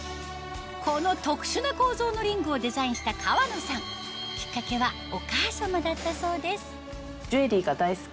この特殊な構造のリングをデザインした河野さんきっかけはお母様だったそうです